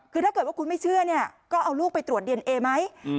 คือถ้าเกิดว่าคุณไม่เชื่อเนี่ยก็เอาลูกไปตรวจดีเอนเอไหม